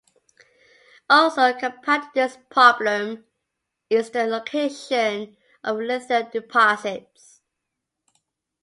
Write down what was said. Also compounding this problem is the location of the lithium deposits.